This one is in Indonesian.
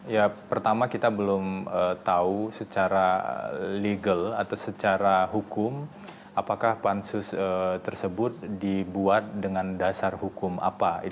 ya pertama kita belum tahu secara legal atau secara hukum apakah pansus tersebut dibuat dengan dasar hukum apa